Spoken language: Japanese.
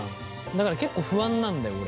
だから結構不安なんだよ俺。